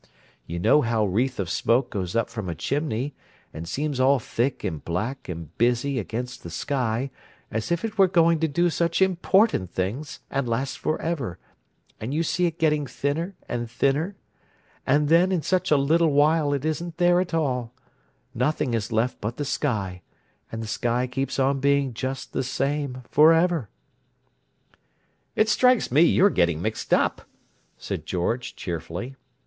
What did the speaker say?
You know how a wreath of smoke goes up from a chimney, and seems all thick and black and busy against the sky, as if it were going to do such important things and last forever, and you see it getting thinner and thinner—and then, in such a little while, it isn't there at all; nothing is left but the sky, and the sky keeps on being just the same forever." "It strikes me you're getting mixed up," said George cheerfully.